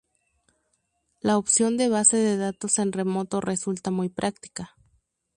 la opción de base de datos en remoto resulta muy práctica